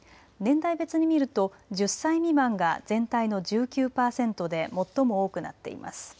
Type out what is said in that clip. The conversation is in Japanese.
年代別に見ると１０歳未満が全体の１９％で最も多くなっています。